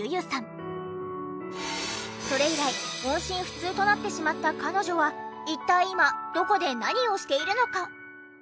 それ以来音信不通となってしまった彼女は一体今どこで何をしているのか？